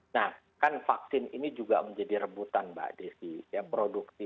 nah kan vaksin ini juga menjadi rebutan mbak desi